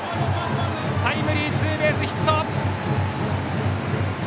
タイムリーツーベースヒット！